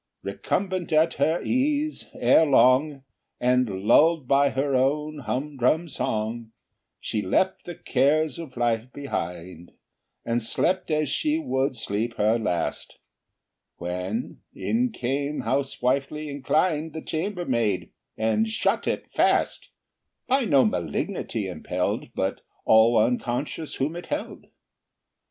Recumbent at her ease, ere long, And lulled by her own humdrum song, She left the cares of life behind, And slept as she would sleep her last, When in came, housewifely inclined, The chambermaid, and shut it fast, By no malignity impelled, But all unconscious whom it held.